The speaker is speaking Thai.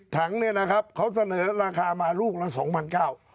๑๐ถังนี่นะครับเขาเสนอราคามาลูกละ๒๙๐๐บาท